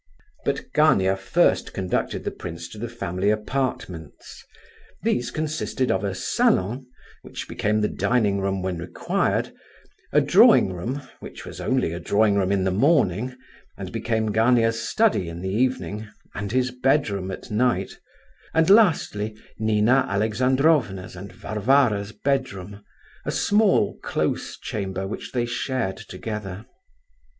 But Gania first conducted the prince to the family apartments. These consisted of a "salon," which became the dining room when required; a drawing room, which was only a drawing room in the morning, and became Gania's study in the evening, and his bedroom at night; and lastly Nina Alexandrovna's and Varvara's bedroom, a small, close chamber which they shared together.